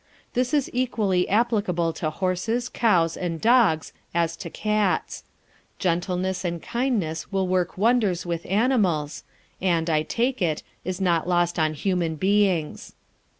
This is equally applicable to horses, cows, and dogs as to cats. Gentleness and kindness will work wonders with animals, and, I take it, is not lost on human beings.